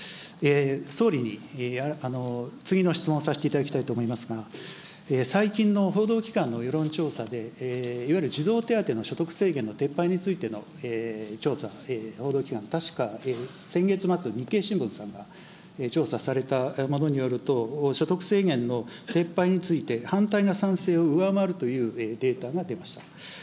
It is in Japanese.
総理に、次の質問をさせていただきたいと思いますが、最近の報道機関の世論調査で、いわゆる児童手当の所得制限の撤廃についての調査、報道機関、確か先月末、日経新聞さんが調査されたものによると、所得制限の撤廃について、反対が賛成を上回るというデータが出ました。